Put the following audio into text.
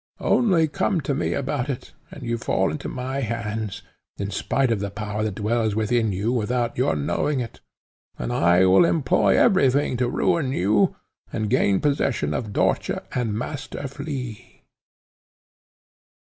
Only come to me about it, and you fall into my hands, in spite of the power that dwells within you without your knowing it, and I will employ every thing to ruin you, and gain possession of Dörtje and Master Flea."